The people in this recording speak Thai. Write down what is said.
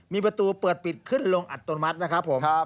มีประตูเปิดปิดขึ้นลงอัตโนมัตินะครับผม